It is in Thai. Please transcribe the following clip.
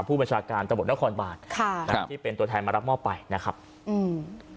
ผู้บัญชาการตำรวจนครบานค่ะนะฮะที่เป็นตัวแทนมารับมอบไปนะครับอืม